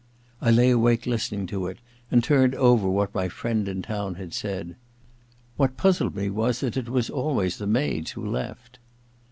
I lay awake listening to It, and turning over what my friend in town had said. What puzzled me was that it was always the maids who left.